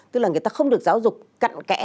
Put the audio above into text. tức là người ta không được giáo dục cận kẽ